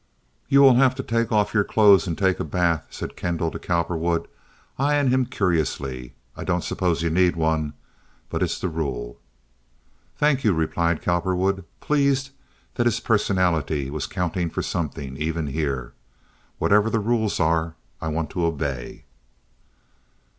"You will have to take off your clothes and take a bath," said Kendall to Cowperwood, eyeing him curiously. "I don't suppose you need one, but it's the rule." "Thank you," replied Cowperwood, pleased that his personality was counting for something even here. "Whatever the rules are, I want to obey."